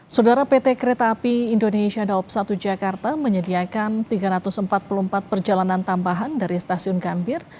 saudara pt kereta api indonesia daob satu jakarta menyediakan tiga ratus empat puluh empat perjalanan tambahan dari stasiun gambir